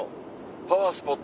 パワースポット。